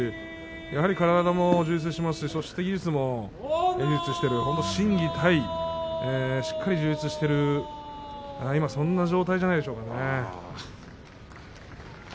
体も、そして技術も充実している心技体、しっかり充実しているそんな状態じゃないでしょうかね。